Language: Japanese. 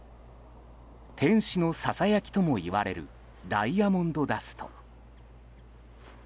天使のささやきともいわれるダイヤモンドダスト。